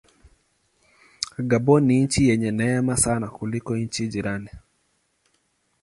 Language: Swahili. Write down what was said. Gabon ni nchi yenye neema sana kuliko nchi jirani.